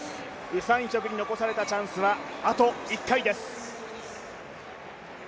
ウ・サンヒョクに残されたチャンスはあと１回です。